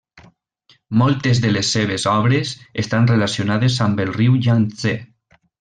Moltes de les seves obres estan relacionades amb el riu Iang-Tsé.